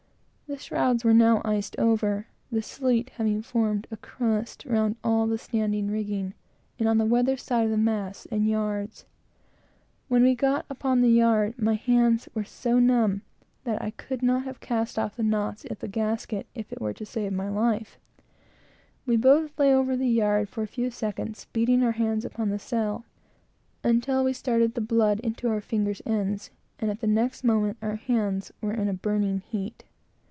The shrouds were now iced over, the sleet having formed a crust or cake round all the standing rigging, and on the weather side of the masts and yards. When we got upon the yard, my hands were so numb that I could not have cast off the knot of the gasket to have saved my life. We both lay over the yard for a few seconds, beating our hands upon the sail, until we started the blood into our fingers' ends, and at the next moment our hands were in a burning heat.